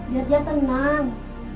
biar dia tenang